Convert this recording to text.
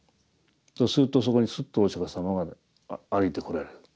するとそこにスッとお釈様が歩いてこられる。